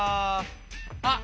あっ！